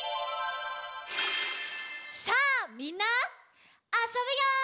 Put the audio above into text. さあみんなあそぶよ！